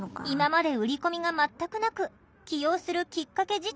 今まで売り込みが全くなく起用するキッカケ